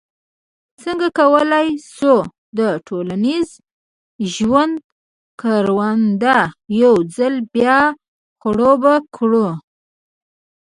څنګه کولای شو د ټولنیز ژوند کرونده یو ځل بیا خړوبه کړو.